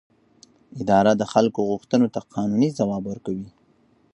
اداره د خلکو غوښتنو ته قانوني ځواب ورکوي.